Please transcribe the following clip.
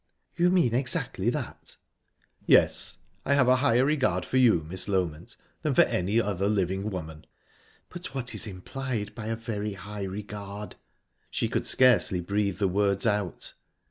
"You mean exactly that?" "Yes. I have a higher regard for you, Miss Loment, than for any other living woman." "But what is implied by a very high regard?" She could scarcely breathe the words out.